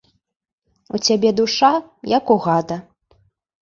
У цябе душа, як у гада.